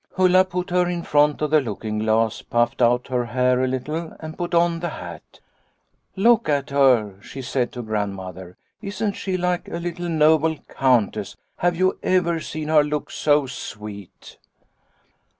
" Ulla put her in front of the looking glass, puffed out her hair a little and put on the hat. "' Look at her,' she said to Grandmother. ' Isn't she like a little noble Countess ? Have you ever seen her look so sweet